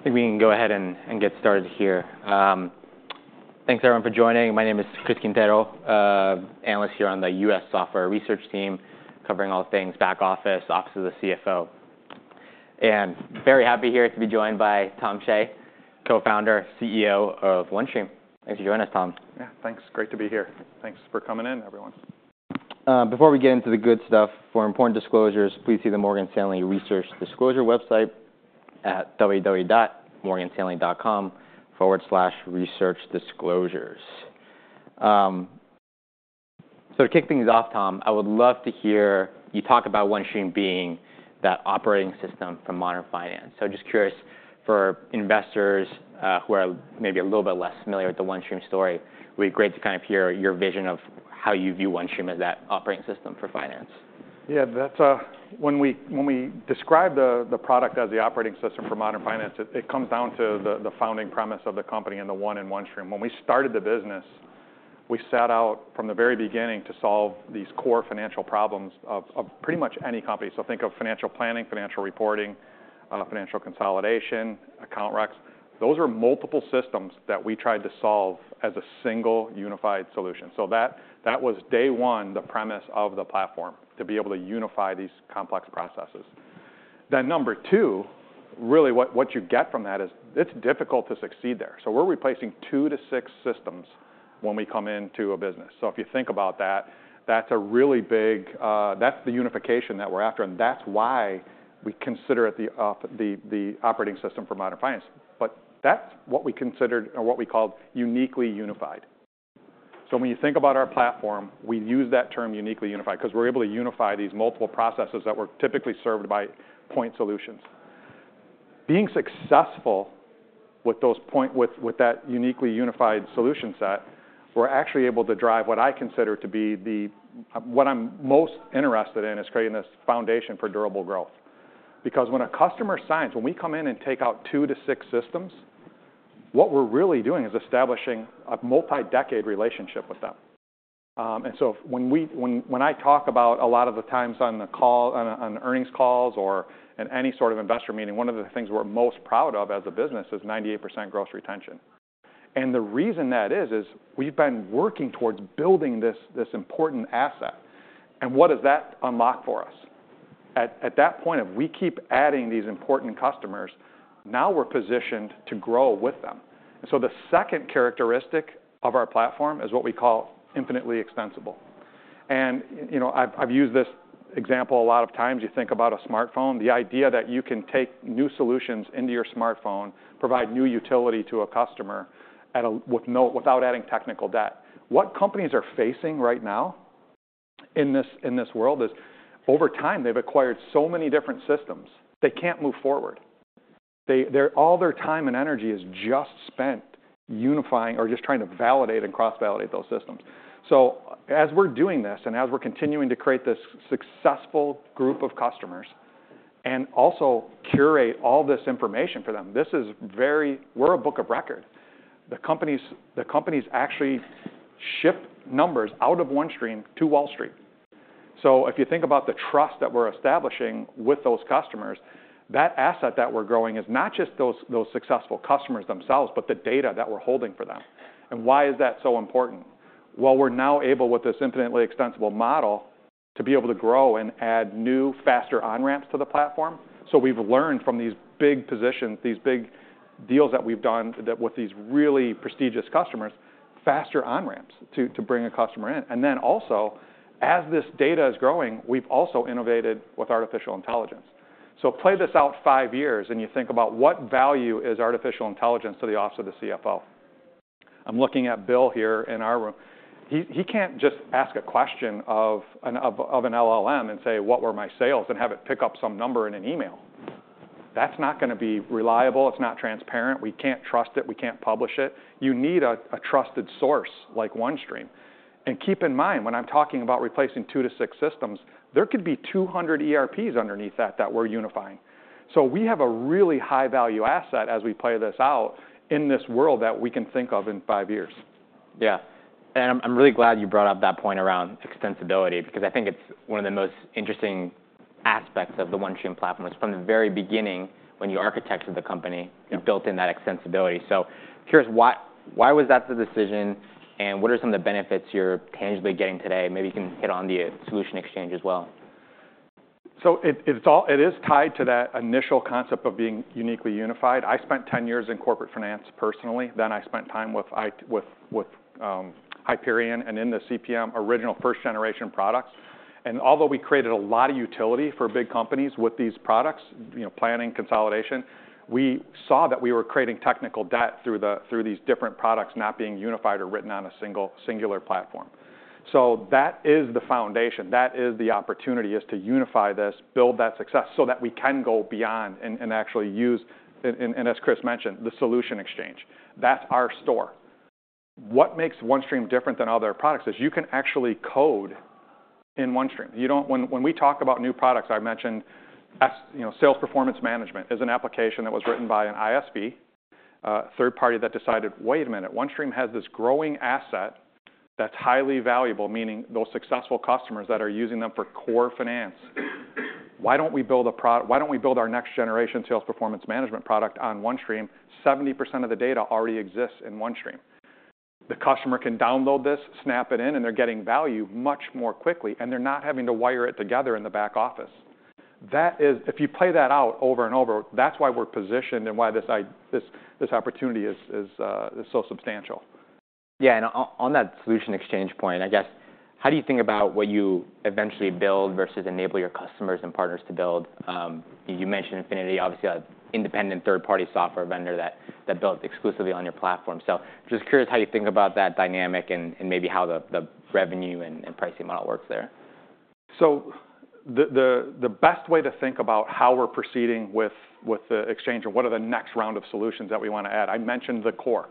I think we can go ahead and get started here. Thanks, everyone, for joining. My name is Chris Quintero, analyst here on the U.S. software research team, covering all things back office, offices of the CFO, and very happy here to be joined by Tom Shea, co-founder, CEO of OneStream. Thanks for joining us, Tom. Yeah, thanks. Great to be here. Thanks for coming in, everyone. Before we get into the good stuff, for important disclosures, please see the Morgan Stanley Research Disclosure website at www.morganstanley.com/researchdisclosures. So to kick things off, Tom, I would love to hear you talk about OneStream being that operating system for modern finance. So just curious, for investors who are maybe a little bit less familiar with the OneStream story, it would be great to kind of hear your vision of how you view OneStream as that operating system for finance. Yeah, when we describe the product as the operating system for modern finance, it comes down to the founding premise of the company and the one in OneStream. When we started the business, we set out from the very beginning to solve these core financial problems of pretty much any company. So think of financial planning, financial reporting, financial consolidation, account recs. Those are multiple systems that we tried to solve as a single unified solution. So that was, day one, the premise of the platform, to be able to unify these complex processes. Then number two, really what you get from that is it's difficult to succeed there. So we're replacing two to six systems when we come into a business. So if you think about that, that's a really big, that's the unification that we're after. And that's why we consider it the operating system for modern finance. But that's what we considered or what we called uniquely unified. So when you think about our platform, we use that term uniquely unified because we're able to unify these multiple processes that were typically served by point solutions. Being successful with that uniquely unified solution set, we're actually able to drive what I consider to be what I'm most interested in is creating this foundation for durable growth. Because when a customer signs, when we come in and take out two to six systems, what we're really doing is establishing a multi-decade relationship with them. And so when I talk about a lot of the times on the earnings calls or in any sort of investor meeting, one of the things we're most proud of as a business is 98% gross retention. And the reason that is, is we've been working towards building this important asset. What does that unlock for us? At that point, if we keep adding these important customers, now we're positioned to grow with them. The second characteristic of our platform is what we call infinitely extensible. I've used this example a lot of times. You think about a smartphone, the idea that you can take new solutions into your smartphone, provide new utility to a customer without adding technical debt. What companies are facing right now in this world is, over time, they've acquired so many different systems, they can't move forward. All their time and energy is just spent unifying or just trying to validate and cross-validate those systems. As we're doing this and as we're continuing to create this successful group of customers and also curate all this information for them, this is where we're a book of record. The companies actually ship numbers out of OneStream to Wall Street, so if you think about the trust that we're establishing with those customers, that asset that we're growing is not just those successful customers themselves, but the data that we're holding for them, and why is that so important? Well, we're now able, with this infinitely extensible model, to be able to grow and add new, faster on-ramps to the platform, so we've learned from these big positions, these big deals that we've done with these really prestigious customers, faster on-ramps to bring a customer in, and then also, as this data is growing, we've also innovated with artificial intelligence, so play this out five years and you think about what value is artificial intelligence to the office of the CFO. I'm looking at Bill here in our room. He can't just ask a question of an LLM and say, what were my sales, and have it pick up some number in an email. That's not going to be reliable. It's not transparent. We can't trust it. We can't publish it. You need a trusted source like OneStream. And keep in mind, when I'm talking about replacing two to six systems, there could be 200 ERPs underneath that that we're unifying. So we have a really high-value asset as we play this out in this world that we can think of in five years. Yeah. And I'm really glad you brought up that point around extensibility because I think it's one of the most interesting aspects of the OneStream platform. It's from the very beginning when you architected the company, you built in that extensibility. So here's why was that the decision, and what are some of the benefits you're tangibly getting today? Maybe you can hit on the Solution Exchange as well. So it is tied to that initial concept of being uniquely unified. I spent 10 years in corporate finance personally. Then I spent time with Hyperion and in the CPM, original first generation products. And although we created a lot of utility for big companies with these products, planning, consolidation, we saw that we were creating technical debt through these different products not being unified or written on a singular platform. So that is the foundation. That is the opportunity is to unify this, build that success so that we can go beyond and actually use, and as Chris mentioned, the Solution Exchange. That's our store. What makes OneStream different than other products is you can actually code in OneStream. When we talk about new products, I've mentioned Sales Performance Management is an application that was written by an ISV, a third party that decided, wait a minute, OneStream has this growing asset that's highly valuable, meaning those successful customers that are using them for core finance. Why don't we build our next-generation Sales Performance Management product on OneStream? 70% of the data already exists in OneStream. The customer can download this, snap it in, and they're getting value much more quickly, and they're not having to wire it together in the back office. If you play that out over and over, that's why we're positioned and why this opportunity is so substantial. Yeah. And on that Solution Exchange point, I guess, how do you think about what you eventually build versus enable your customers and partners to build? You mentioned Infinity, obviously, an independent third-party software vendor that built exclusively on your platform. So I'm just curious how you think about that dynamic and maybe how the revenue and pricing model works there? So the best way to think about how we're proceeding with the exchange and what are the next round of solutions that we want to add, I mentioned the core.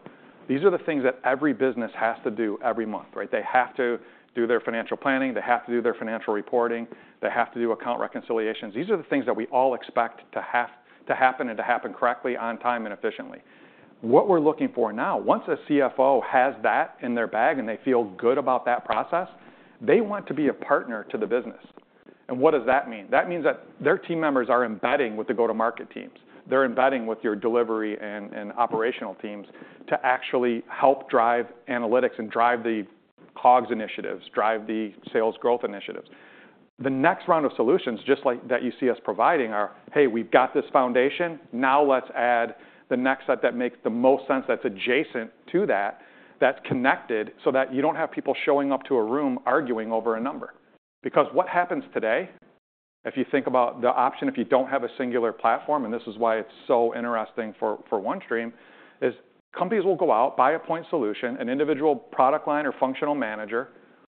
These are the things that every business has to do every month. They have to do their financial planning. They have to do their financial reporting. They have to do account reconciliations. These are the things that we all expect to happen and to happen correctly, on time, and efficiently. What we're looking for now, once a CFO has that in their bag and they feel good about that process, they want to be a partner to the business. And what does that mean? That means that their team members are embedding with the go-to-market teams. They're embedding with your delivery and operational teams to actually help drive analytics and drive the COGS initiatives, drive the sales growth initiatives. The next round of solutions, just like that you see us providing, are, hey, we've got this foundation. Now let's add the next set that makes the most sense that's adjacent to that, that's connected so that you don't have people showing up to a room arguing over a number. Because what happens today, if you think about the option, if you don't have a singular platform, and this is why it's so interesting for OneStream, is companies will go out, buy a point solution. An individual product line or functional manager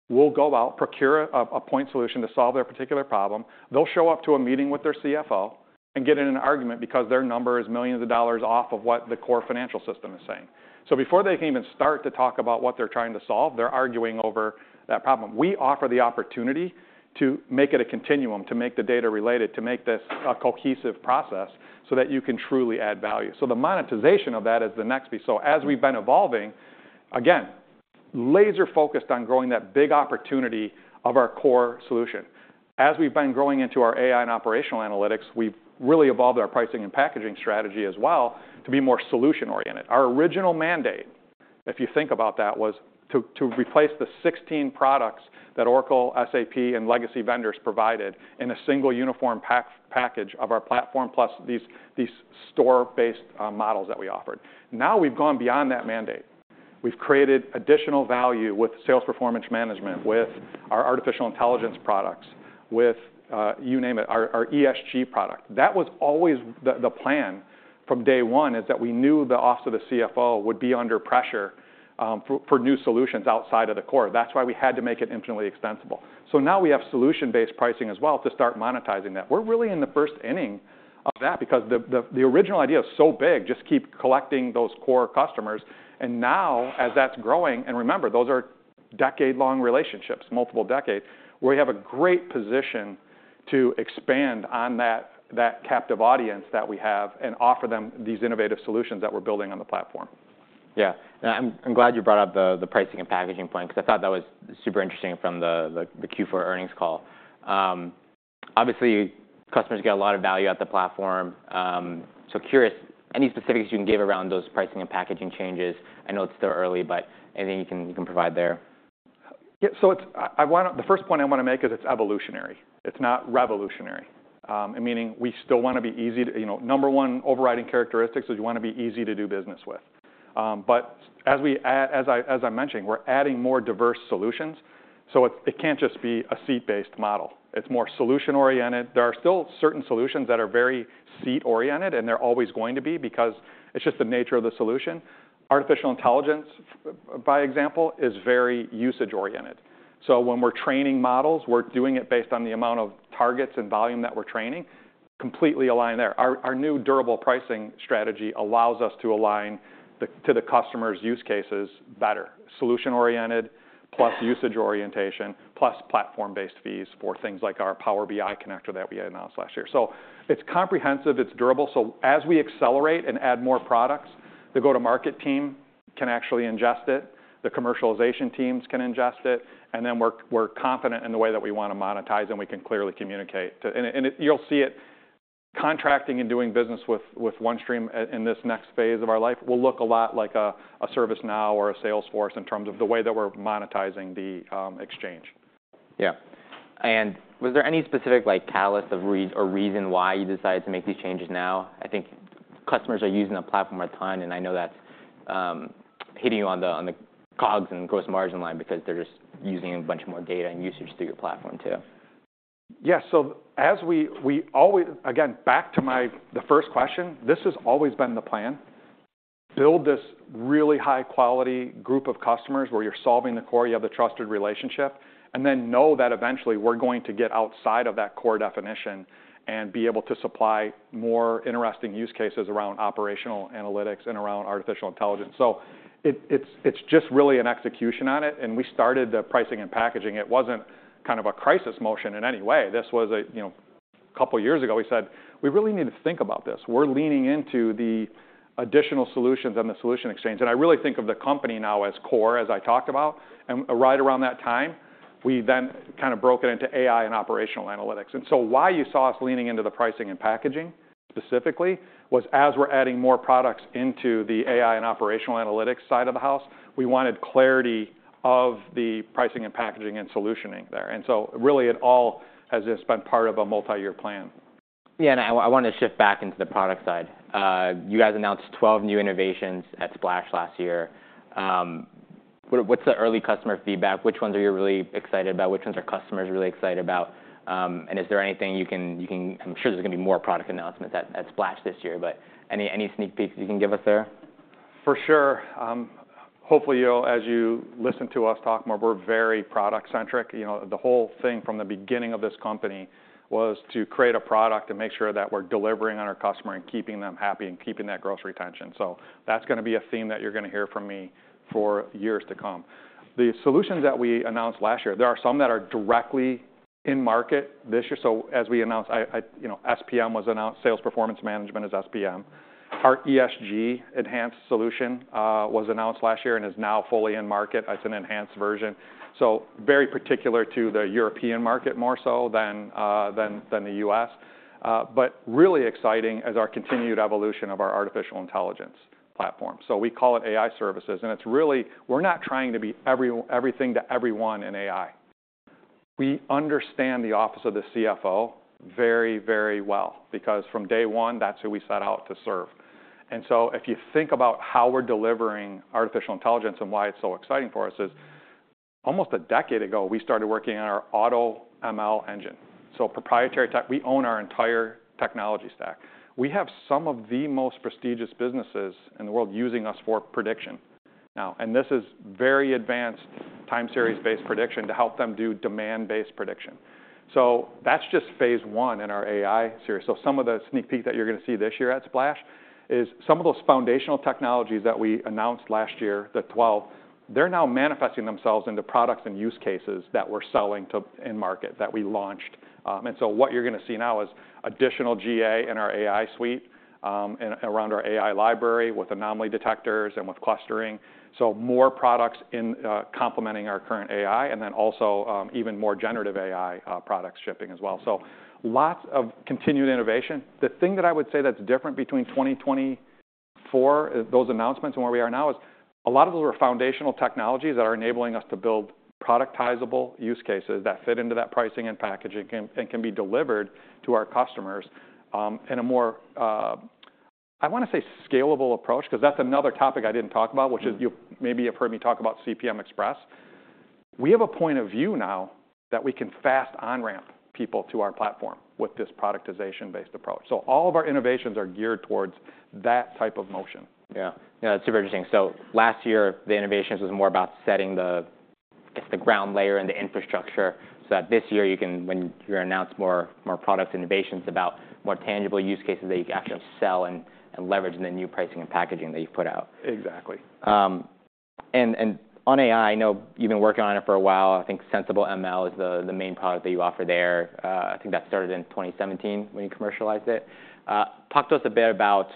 will go out, procure a point solution to solve their particular problem. They'll show up to a meeting with their CFO and get in an argument because their number is millions of dollars off of what the core financial system is saying. So before they can even start to talk about what they're trying to solve, they're arguing over that problem. We offer the opportunity to make it a continuum, to make the data related, to make this a cohesive process so that you can truly add value. So the monetization of that is the next piece. So as we've been evolving, again, laser-focused on growing that big opportunity of our core solution. As we've been growing into our AI and operational analytics, we've really evolved our pricing and packaging strategy as well to be more solution-oriented. Our original mandate, if you think about that, was to replace the 16 products that Oracle, SAP, and legacy vendors provided in a single uniform package of our platform plus these store-based models that we offered. Now we've gone beyond that mandate. We've created additional value with Sales Performance Management, with our artificial intelligence products, with, you name it, our ESG product. That was always the plan from day one, is that we knew the office of the CFO would be under pressure for new solutions outside of the core. That's why we had to make it infinitely extensible. So now we have solution-based pricing as well to start monetizing that. We're really in the first inning of that because the original idea is so big, just keep collecting those core customers. And now, as that's growing, and remember, those are decade-long relationships, multiple decades, where we have a great position to expand on that captive audience that we have and offer them these innovative solutions that we're building on the platform. Yeah. I'm glad you brought up the pricing and packaging point because I thought that was super interesting from the Q4 earnings call. Obviously, customers get a lot of value at the platform. So curious, any specifics you can give around those pricing and packaging changes? I know it's still early, but anything you can provide there? Yeah. So the first point I want to make is it's evolutionary. It's not revolutionary, meaning we still want to be easy. Number one, overriding characteristic is you want to be easy to do business with. But as I mentioned, we're adding more diverse solutions. So it can't just be a seat-based model. It's more solution-oriented. There are still certain solutions that are very seat-oriented, and they're always going to be because it's just the nature of the solution. Artificial intelligence, for example, is very usage-oriented. So when we're training models, we're doing it based on the amount of targets and volume that we're training, completely aligned there. Our new durable pricing strategy allows us to align to the customer's use cases better, solution-oriented plus usage orientation plus platform-based fees for things like our Power BI connector that we announced last year. So it's comprehensive. It's durable. So as we accelerate and add more products, the go-to-market team can actually ingest it. The commercialization teams can ingest it. And then we're confident in the way that we want to monetize, and we can clearly communicate. And you'll see it contracting and doing business with OneStream in this next phase of our life will look a lot like a ServiceNow or a Salesforce in terms of the way that we're monetizing the exchange. Yeah. And was there any specific catalyst or reason why you decided to make these changes now? I think customers are using the platform a ton, and I know that's hitting you on the COGS and gross margin line because they're just using a bunch more data and usage through your platform too. Yeah, so again, back to the first question, this has always been the plan. Build this really high-quality group of customers where you're solving the core. You have the trusted relationship, and then know that eventually we're going to get outside of that core definition and be able to supply more interesting use cases around operational analytics and around artificial intelligence. It's just really an execution on it, and we started the pricing and packaging. It wasn't kind of a crisis motion in any way. This was a couple of years ago. We said, we really need to think about this. We're leaning into the additional solutions and the solution exchange, and I really think of the company now as core, as I talked about. Right around that time, we then kind of broke it into AI and operational analytics. And so why you saw us leaning into the pricing and packaging specifically was, as we're adding more products into the AI and operational analytics side of the house, we wanted clarity of the pricing and packaging and solutioning there. And so really, it all has just been part of a multi-year plan. Yeah, and I want to shift back into the product side. You guys announced 12 new innovations at Splash last year. What's the early customer feedback? Which ones are you really excited about? Which ones are customers really excited about, and is there anything you can? I'm sure there's going to be more product announcements at Splash this year, but any sneak peeks you can give us there? For sure. Hopefully, as you listen to us talk more, we're very product-centric. The whole thing from the beginning of this company was to create a product and make sure that we're delivering on our customer and keeping them happy and keeping that gross Retention. So that's going to be a theme that you're going to hear from me for years to come. The solutions that we announced last year, there are some that are directly in market this year. So as we announced, SPM was announced. Sales Performance Management is SPM. Our ESG Enhanced Solution was announced last year and is now fully in market. It's an enhanced version. So very particular to the European market more so than the U.S. But really exciting is our continued evolution of our artificial intelligence platform. So we call it AI Services. It's really. We're not trying to be everything to everyone in AI. We understand the office of the CFO very, very well because from day one, that's who we set out to serve. So if you think about how we're delivering artificial intelligence and why it's so exciting for us, almost a decade ago, we started working on our AutoML engine. Proprietary tech, we own our entire technology stack. We have some of the most prestigious businesses in the world using us for prediction now. This is very advanced time series-based prediction to help them do demand-based prediction. That's just phase one in our AI Services. Some of the sneak peek that you're going to see this year at Splash is some of those foundational technologies that we announced last year, the 12. They're now manifesting themselves into products and use cases that we're selling in market that we launched. What you're going to see now is additional GA in our AI suite and around our AI Library with anomaly detectors and with clustering. More products in complementing our current AI and then also even more generative AI products shipping as well. Lots of continued innovation. The thing that I would say that's different between 2024, those announcements and where we are now is a lot of those were foundational technologies that are enabling us to build productizable use cases that fit into that pricing and packaging and can be delivered to our customers in a more, I want to say, scalable approach because that's another topic I didn't talk about, which is maybe you've heard me talk about CPM Express. We have a point of view now that we can fast on-ramp people to our platform with this productization-based approach. So all of our innovations are geared towards that type of motion, yeah. Yeah. That's super interesting. So last year, the innovations was more about setting the ground layer and the infrastructure so that this year you can, when you announce more product innovations, about more tangible use cases that you can actually sell and leverage in the new pricing and packaging that you put out. Exactly. On AI, I know you've been working on it for a while. I think Sensible ML is the main product that you offer there. I think that started in 2017 when you commercialized it. Talk to us a bit about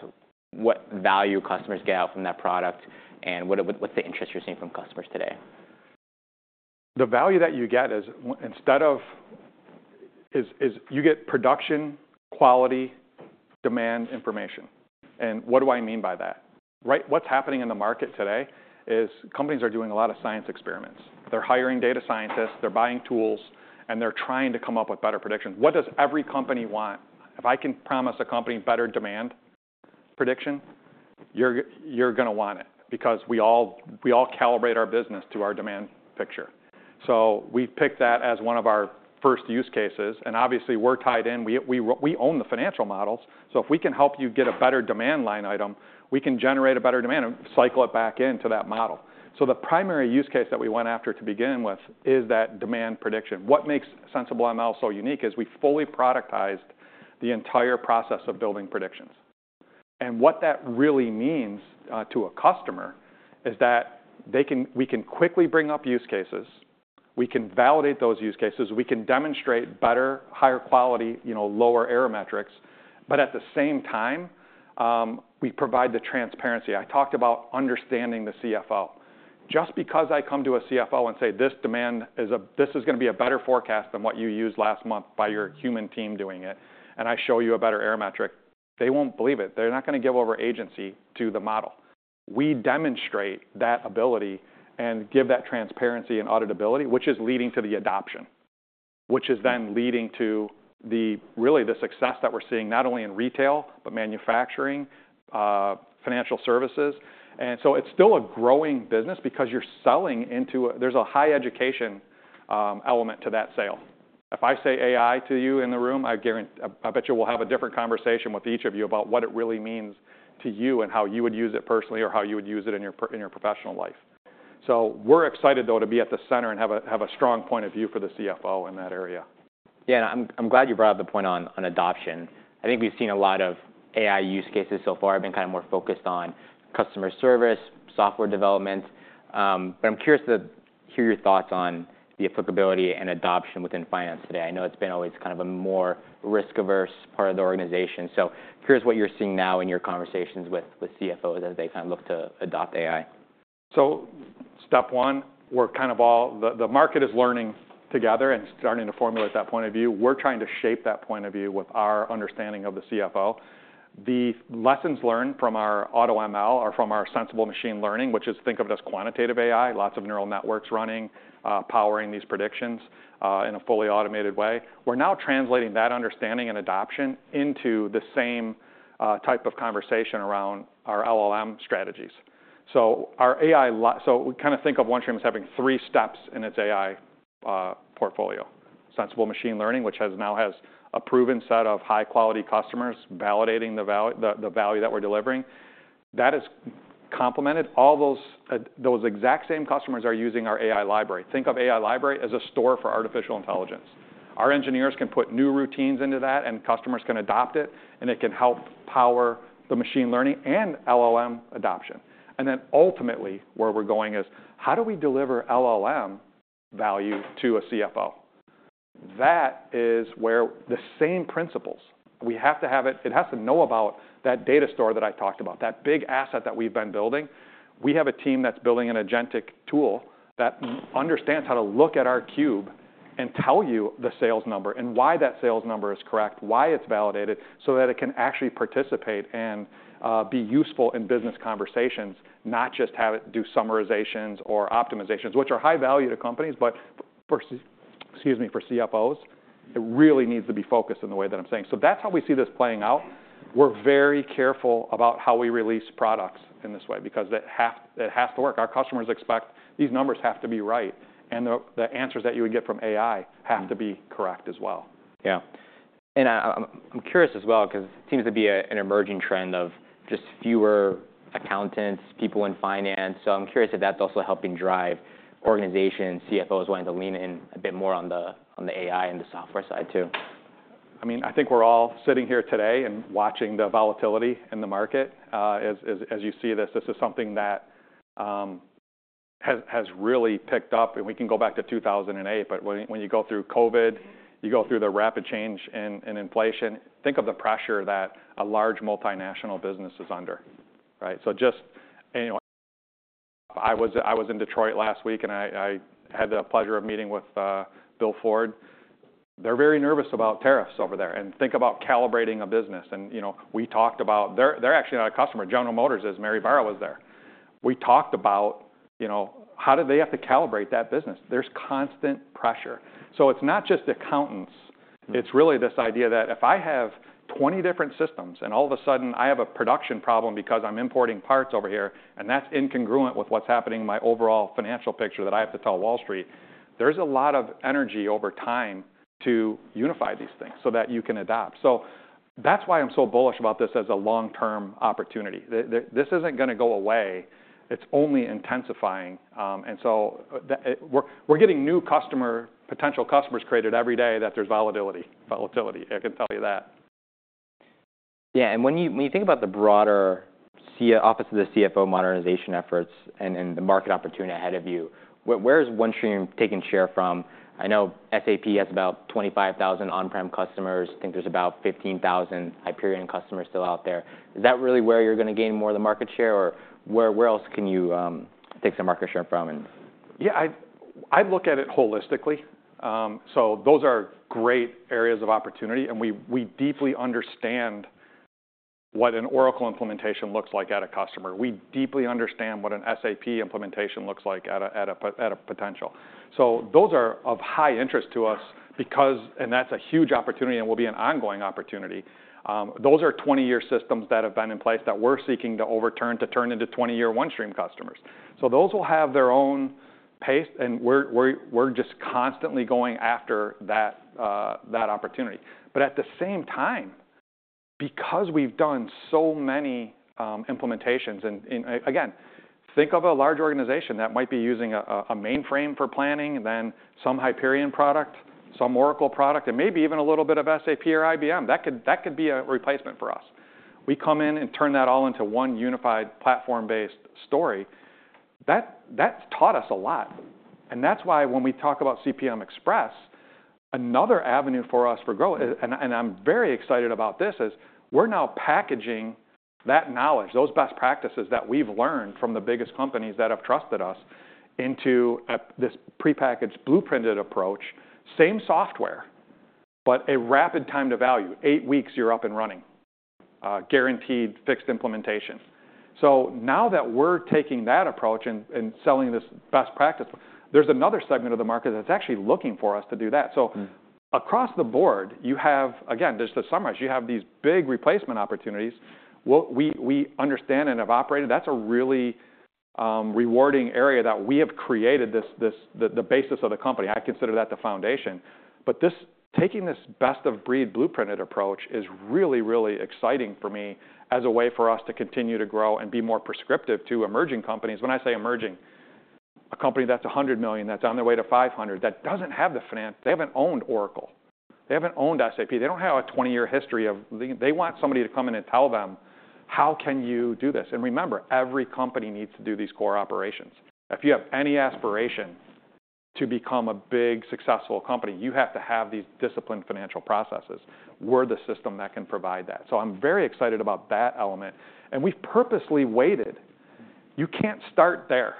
what value customers get out from that product and what's the interest you're seeing from customers today? The value that you get is, instead, you get production, quality, demand, information, and what do I mean by that? What's happening in the market today is companies are doing a lot of science experiments? They're hiring data scientists. They're buying tools. And they're trying to come up with better predictions. What does every company want? If I can promise a company better demand prediction, you're going to want it because we all calibrate our business to our demand picture, so we picked that as one of our first use cases, and obviously, we're tied in. We own the financial models, so if we can help you get a better demand line item, we can generate a better demand and cycle it back into that model, so the primary use case that we went after to begin with is that demand prediction. What makes Sensible ML so unique is we fully productized the entire process of building predictions, and what that really means to a customer is that we can quickly bring up use cases. We can validate those use cases. We can demonstrate better, higher quality, lower error metrics, but at the same time, we provide the transparency. I talked about understanding the CFO. Just because I come to a CFO and say, this demand is going to be a better forecast than what you used last month by your human team doing it, and I show you a better error metric, they won't believe it. They're not going to give over agency to the model. We demonstrate that ability and give that transparency and auditability, which is leading to the adoption, which is then leading to really the success that we're seeing not only in retail, but manufacturing, financial services. It's still a growing business because you're selling into. There's a high education element to that sale. If I say AI to you in the room, I bet you we'll have a different conversation with each of you about what it really means to you and how you would use it personally or how you would use it in your professional life. We're excited, though, to be at the center and have a strong point of view for the CFO in that area. Yeah. I'm glad you brought up the point on adoption. I think we've seen a lot of AI use cases so far have been kind of more focused on customer service, software development. But I'm curious to hear your thoughts on the applicability and adoption within finance today. I know it's been always kind of a more risk-averse part of the organization. So curious what you're seeing now in your conversations with CFOs as they kind of look to adopt AI? So, step one, we're kind of all the market is learning together and starting to formulate that point of view. We're trying to shape that point of view with our understanding of the CFO. The lessons learned from our AutoML or from our Sensible Machine Learning, which is, think of it as quantitative AI, lots of neural networks running, powering these predictions in a fully automated way. We're now translating that understanding and adoption into the same type of conversation around our LLM strategies. So we kind of think of OneStream as having three steps in its AI portfolio: Sensible Machine Learning, which now has a proven set of high-quality customers validating the value that we're delivering. That is complemented. All those exact same customers are using our AI Library. Think of AI Library as a store for artificial intelligence. Our engineers can put new routines into that, and customers can adopt it, and it can help power the machine learning and LLM adoption, and then ultimately, where we're going is how do we deliver LLM value to a CFO? That is where the same principles we have to have it. It has to know about that data store that I talked about, that big asset that we've been building. We have a team that's building an agentic tool that understands how to look at our cube and tell you the sales number and why that sales number is correct, why it's validated, so that it can actually participate and be useful in business conversations, not just have it do summarizations or optimizations, which are high value to companies, but excuse me, for CFOs. It really needs to be focused in the way that I'm saying. So that's how we see this playing out. We're very careful about how we release products in this way because it has to work. Our customers expect these numbers have to be right. And the answers that you would get from AI have to be correct as well. Yeah. I'm curious as well because it seems to be an emerging trend of just fewer accountants, people in finance. So I'm curious if that's also helping drive organizations, CFOs wanting to lean in a bit more on the AI and the software side too? I mean, I think we're all sitting here today and watching the volatility in the market. As you see this, this is something that has really picked up, and we can go back to 2008, but when you go through COVID, you go through the rapid change in inflation, think of the pressure that a large multinational business is under, so I was in Detroit last week, and I had the pleasure of meeting with Bill Ford. They're very nervous about tariffs over there, and think about calibrating a business, and we talked about they're actually not a customer. General Motors is, Mary Barra was there. We talked about how do they have to calibrate that business? There's constant pressure, so it's not just accountants. It's really this idea that if I have 20 different systems and all of a sudden I have a production problem because I'm importing parts over here and that's incongruent with what's happening in my overall financial picture that I have to tell Wall Street. There's a lot of energy over time to unify these things so that you can adopt. So that's why I'm so bullish about this as a long-term opportunity. This isn't going to go away. It's only intensifying. And so we're getting new potential customers created every day that there's volatility. I can tell you that. Yeah, and when you think about the broader office of the CFO modernization efforts and the market opportunity ahead of you, where is OneStream taking share from? I know SAP has about 25,000 on-prem customers. I think there's about 15,000 Hyperion customers still out there. Is that really where you're going to gain more of the market share? Or where else can you take some market share from? Yeah. I look at it holistically. So those are great areas of opportunity. And we deeply understand what an Oracle implementation looks like at a customer. We deeply understand what an SAP implementation looks like at a potential. So those are of high interest to us because that's a huge opportunity and will be an ongoing opportunity. Those are 20-year systems that have been in place that we're seeking to overturn to turn into 20-year OneStream customers. So those will have their own pace. And we're just constantly going after that opportunity. But at the same time, because we've done so many implementations, and again, think of a large organization that might be using a mainframe for planning, then some Hyperion product, some Oracle product, and maybe even a little bit of SAP or IBM. That could be a replacement for us. We come in and turn that all into one unified platform-based story. That's taught us a lot, and that's why when we talk about CPM Express, another avenue for us for growth, and I'm very excited about this, is we're now packaging that knowledge, those best practices that we've learned from the biggest companies that have trusted us into this prepackaged, blueprinted approach, same software, but a rapid time to value. Eight weeks, you're up and running, guaranteed fixed implementation, so now that we're taking that approach and selling this best practice, there's another segment of the market that's actually looking for us to do that, so across the board, you have, again, just to summarize, you have these big replacement opportunities. We understand and have operated. That's a really rewarding area that we have created the basis of the company. I consider that the foundation. But taking this best of breed blueprinted approach is really, really exciting for me as a way for us to continue to grow and be more prescriptive to emerging companies. When I say emerging, a company that's $100 million, that's on their way to $500 million, that doesn't have the finance. They haven't owned Oracle. They haven't owned SAP. They don't have a 20-year history of they want somebody to come in and tell them, how can you do this? And remember, every company needs to do these core operations. If you have any aspiration to become a big, successful company, you have to have these disciplined financial processes. We're the system that can provide that. So I'm very excited about that element. And we've purposely waited. You can't start there.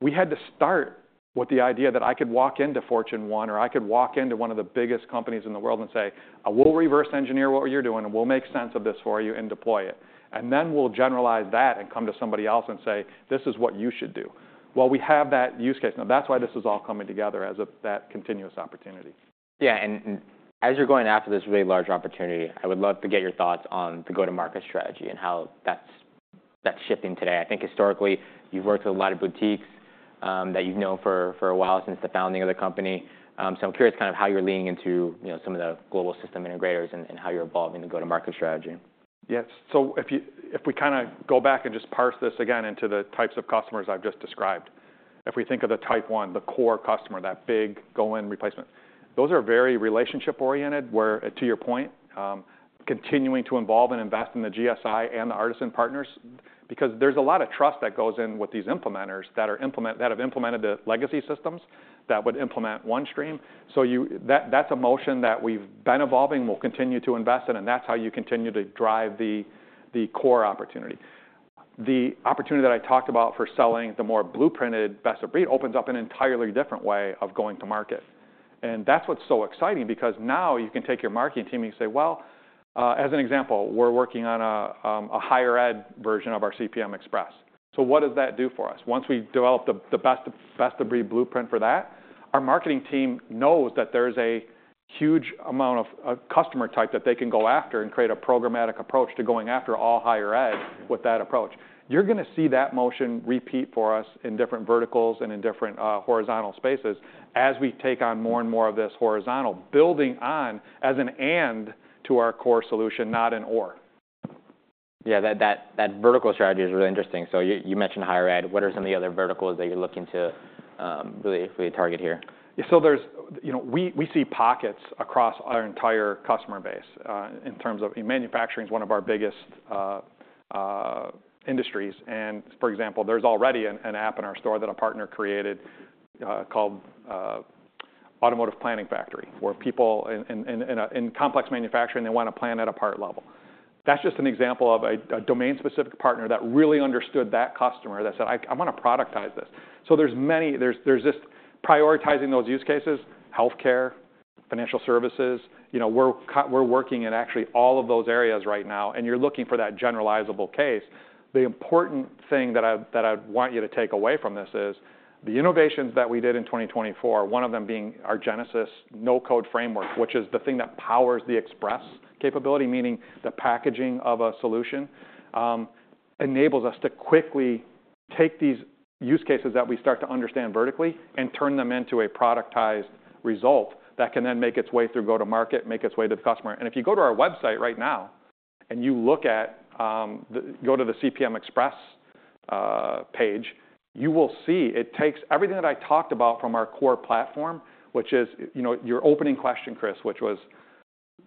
We had to start with the idea that I could walk into Fortune 100 or I could walk into one of the biggest companies in the world and say, we'll reverse engineer what you're doing, and we'll make sense of this for you and deploy it and then we'll generalize that and come to somebody else and say, this is what you should do. Well, we have that use case. Now, that's why this is all coming together as that continuous opportunity. Yeah. And as you're going after this really large opportunity, I would love to get your thoughts on the go-to-market strategy and how that's shifting today. I think historically, you've worked with a lot of boutiques that you've known for a while since the founding of the company. So I'm curious kind of how you're leaning into some of the global system integrators and how you're evolving the go-to-market strategy? Yes, so if we kind of go back and just parse this again into the types of customers I've just described, if we think of the type one, the core customer, that big go in replacement, those are very relationship-oriented where, to your point, continuing to involve and invest in the GSI and the artisan partners because there's a lot of trust that goes in with these implementers that have implemented the legacy systems that would implement OneStream. So that's a motion that we've been evolving, we'll continue to invest in, and that's how you continue to drive the core opportunity. The opportunity that I talked about for selling the more blueprinted best of breed opens up an entirely different way of going to market. That's what's so exciting because now you can take your marketing team and you say, well, as an example, we're working on a higher ed version of our CPM Express. So what does that do for us? Once we develop the best of breed blueprint for that, our marketing team knows that there is a huge amount of customer type that they can go after and create a programmatic approach to going after all higher ed with that approach. You're going to see that motion repeat for us in different verticals and in different horizontal spaces as we take on more and more of this horizontal, building on as an and to our core solution, not an or. Yeah. That vertical strategy is really interesting. So you mentioned higher ed. What are some of the other verticals that you're looking to really target here? Yeah. So we see pockets across our entire customer base in terms of manufacturing is one of our biggest industries. And for example, there's already an app in our store that a partner created called Automotive Planning Factory, where people in complex manufacturing, they want to plan at a part level. That's just an example of a domain-specific partner that really understood that customer that said, I want to productize this. So there's prioritizing those use cases, health care, financial services. We're working in actually all of those areas right now. And you're looking for that generalizable case. The important thing that I want you to take away from this is the innovations that we did in 2024, one of them being our Genesis No-Code Framework, which is the thing that powers the Express capability, meaning the packaging of a solution enables us to quickly take these use cases that we start to understand vertically and turn them into a productized result that can then make its way through go-to-market, make its way to the customer. And if you go to our website right now and you look at go to the CPM Express page, you will see it takes everything that I talked about from our core platform, which is your opening question, Chris, which was,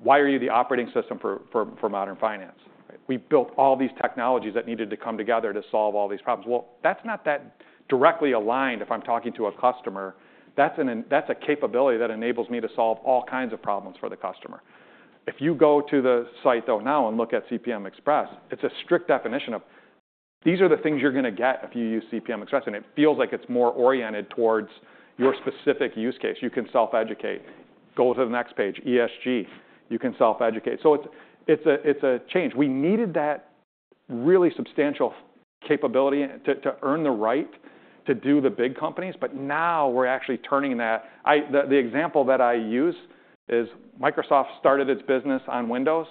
why are you the Operating System for Modern Finance? We built all these technologies that needed to come together to solve all these problems. That's not that directly aligned if I'm talking to a customer. That's a capability that enables me to solve all kinds of problems for the customer. If you go to the site though now and look at CPM Express, it's a strict definition of these are the things you're going to get if you use CPM Express. And it feels like it's more oriented towards your specific use case. You can self-educate. Go to the next page, ESG. You can self-educate. So it's a change. We needed that really substantial capability to earn the right to do the big companies. But now we're actually turning that. The example that I use is Microsoft started its business on Windows.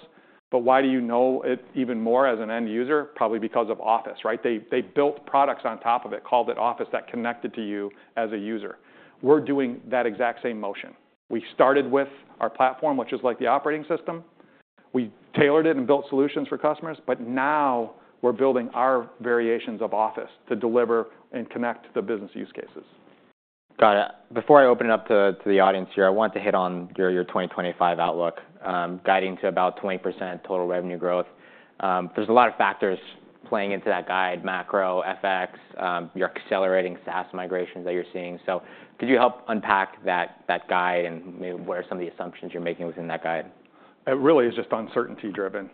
But why do you know it even more as an end user? Probably because of Office. They built products on top of it, called it Office that connected to you as a user. We're doing that exact same motion. We started with our platform, which is like the operating system. We tailored it and built solutions for customers. But now we're building our variations of Office to deliver and connect the business use cases. Got it. Before I open it up to the audience here, I want to hit on your 2025 outlook guiding to about 20% total revenue growth. There's a lot of factors playing into that guide, macro, FX, your accelerating SaaS migrations that you're seeing. So could you help unpack that guide and maybe where some of the assumptions you're making within that guide? It really is just uncertainty driven.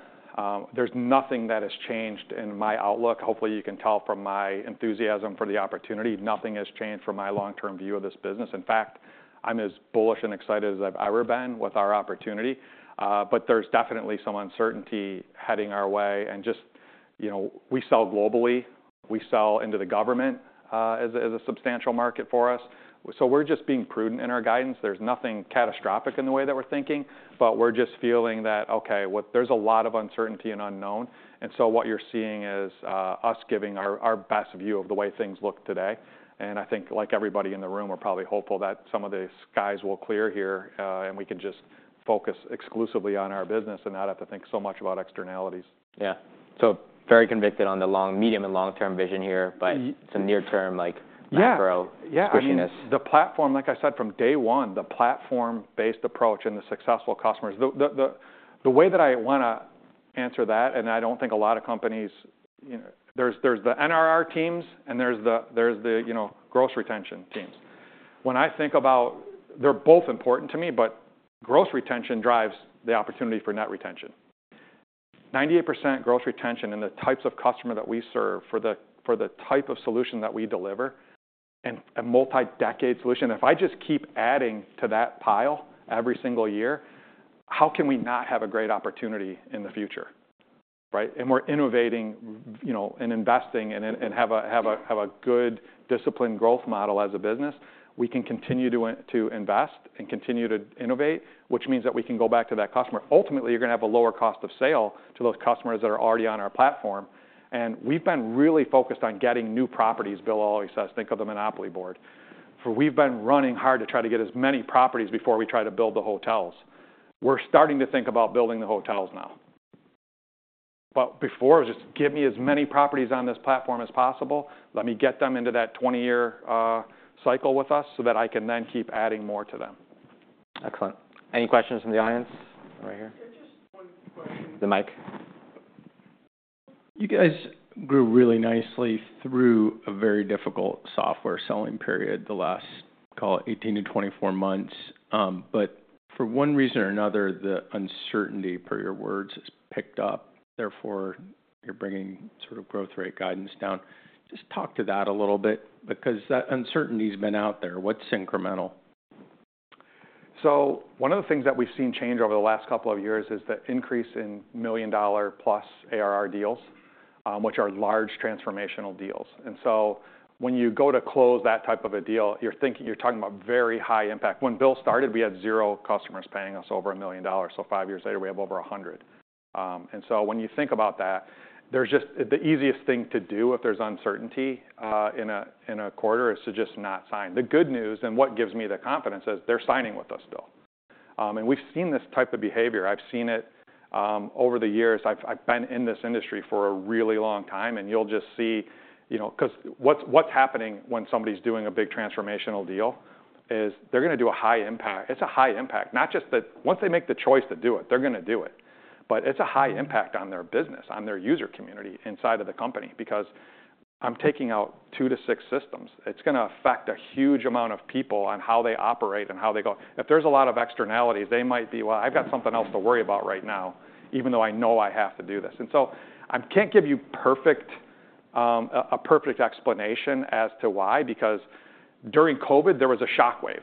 There's nothing that has changed in my outlook. Hopefully, you can tell from my enthusiasm for the opportunity. Nothing has changed from my long-term view of this business. In fact, I'm as bullish and excited as I've ever been with our opportunity. But there's definitely some uncertainty heading our way. And just we sell globally. We sell into the government as a substantial market for us. So we're just being prudent in our guidance. There's nothing catastrophic in the way that we're thinking. But we're just feeling that, OK, there's a lot of uncertainty and unknown. And so what you're seeing is us giving our best view of the way things look today. I think like everybody in the room, we're probably hopeful that some of the skies will clear here and we can just focus exclusively on our business and not have to think so much about externalities. Yeah. So very convicted on the medium and long-term vision here, but some near-term macro squishiness. Yeah. The platform, like I said, from day one, the platform-based approach and the successful customers. The way that I want to answer that, and I don't think a lot of companies there's the NRR teams and there's the gross retention teams. When I think about they're both important to me, but gross retention drives the opportunity for net retention. 98% gross retention in the types of customer that we serve for the type of solution that we deliver, a multi-decade solution. If I just keep adding to that pile every single year, how can we not have a great opportunity in the future, and we're innovating and investing and have a good disciplined growth model as a business. We can continue to invest and continue to innovate, which means that we can go back to that customer. Ultimately, you're going to have a lower cost of sale to those customers that are already on our platform, and we've been really focused on getting new properties, Bill always says. Think of the Monopoly board. We've been running hard to try to get as many properties before we try to build the hotels. We're starting to think about building the hotels now, but before, it was just give me as many properties on this platform as possible. Let me get them into that 20-year cycle with us so that I can then keep adding more to them. Excellent. Any questions from the audience right here? The mic. You guys grew really nicely through a very difficult software selling period the last, call it, 18-24 months. But for one reason or another, the uncertainty, per your words, has picked up. Therefore, you're bringing sort of growth rate guidance down. Just talk to that a little bit because that uncertainty has been out there. What's incremental? One of the things that we've seen change over the last couple of years is the increase in million dollar-plus ARR deals, which are large transformational deals. When you go to close that type of a deal, you're talking about very high impact. When Bill started, we had zero customers paying us over a million dollar. Five years later, we have over 100. When you think about that, the easiest thing to do if there's uncertainty in a quarter is to just not sign. The good news and what gives me the confidence is they're signing with us still. We've seen this type of behavior. I've seen it over the years. I've been in this industry for a really long time. You'll just see because what's happening when somebody's doing a big transformational deal is they're going to do a high impact. It's a high impact, not just that once they make the choice to do it, they're going to do it, but it's a high impact on their business, on their user community inside of the company because I'm taking out two to six systems. It's going to affect a huge amount of people on how they operate and how they go. If there's a lot of externalities, they might be, well, I've got something else to worry about right now, even though I know I have to do this, and so I can't give you a perfect explanation as to why because during COVID, there was a shockwave,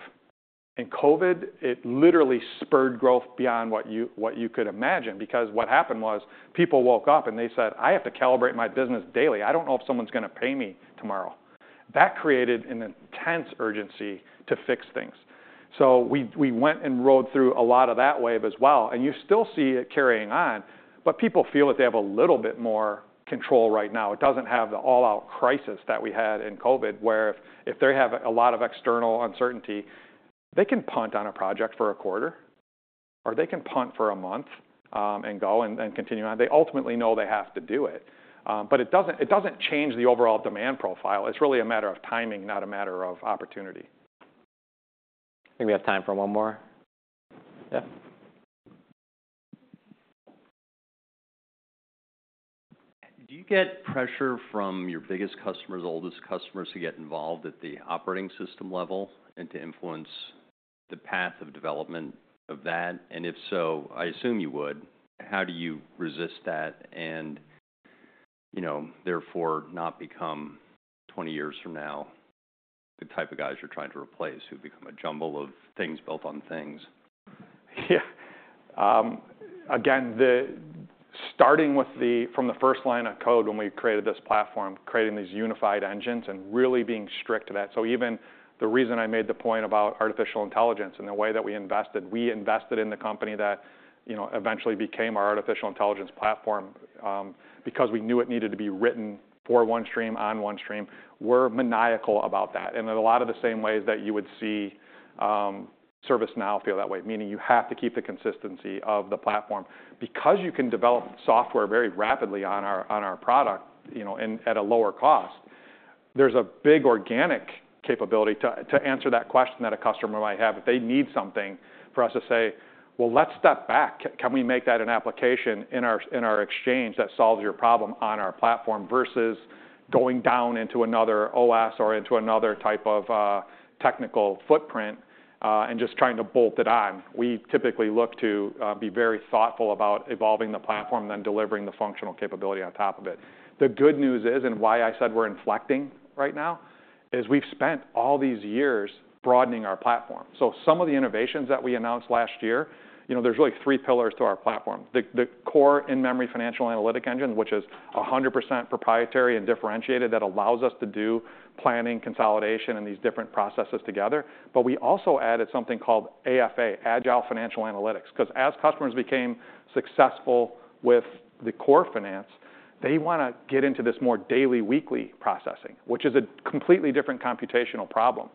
and COVID, it literally spurred growth beyond what you could imagine because what happened was people woke up and they said, I have to calibrate my business daily. I don't know if someone's going to pay me tomorrow. That created an intense urgency to fix things. So we went and rode through a lot of that wave as well. And you still see it carrying on. But people feel that they have a little bit more control right now. It doesn't have the all-out crisis that we had in COVID where if they have a lot of external uncertainty, they can punt on a project for a quarter or they can punt for a month and go and continue on. They ultimately know they have to do it. But it doesn't change the overall demand profile. It's really a matter of timing, not a matter of opportunity. I think we have time for one more. Yeah. Do you get pressure from your biggest customers, oldest customers to get involved at the operating system level and to influence the path of development of that? And if so, I assume you would. How do you resist that and therefore not become, 20 years from now, the type of guys you're trying to replace who become a jumble of things built on things? Yeah. Again, starting with from the first line of code when we created this platform, creating these unified engines and really being strict to that. So even the reason I made the point about artificial intelligence and the way that we invested, we invested in the company that eventually became our artificial intelligence platform because we knew it needed to be written for OneStream, on OneStream. We're maniacal about that. And in a lot of the same ways that you would see ServiceNow feel that way, meaning you have to keep the consistency of the platform. Because you can develop software very rapidly on our product at a lower cost, there's a big organic capability to answer that question that a customer might have if they need something for us to say, well, let's step back. Can we make that an application in our exchange that solves your problem on our platform versus going down into another OS or into another type of technical footprint and just trying to bolt it on? We typically look to be very thoughtful about evolving the platform, then delivering the functional capability on top of it. The good news is, and why I said we're inflecting right now, is we've spent all these years broadening our platform. So some of the innovations that we announced last year, there's really three pillars to our platform. The core in-memory financial analytic engine, which is 100% proprietary and differentiated, that allows us to do planning, consolidation, and these different processes together. But we also added something called AFA, Agile Financial Analytics. Because as customers became successful with the core finance, they want to get into this more daily, weekly processing, which is a completely different computational problem.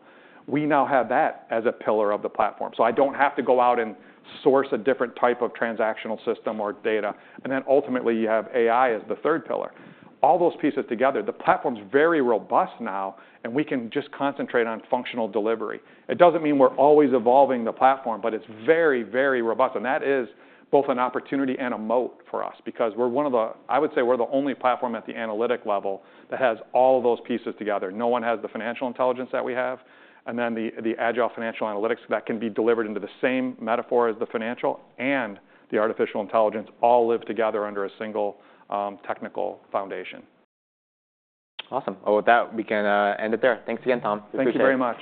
We now have that as a pillar of the platform. So I don't have to go out and source a different type of transactional system or data. And then ultimately, you have AI as the third pillar. All those pieces together, the platform's very robust now. And we can just concentrate on functional delivery. It doesn't mean we're always evolving the platform, but it's very, very robust. And that is both an opportunity and a moat for us because we're one of the I would say we're the only platform at the analytic level that has all of those pieces together. No one has the financial intelligence that we have. Then the Agile Financial Analytics that can be delivered into the same metaphor as the financial and the artificial intelligence all live together under a single technical foundation. Awesome. Well, with that, we can end it there. Thanks again, Tom. Thank you very much.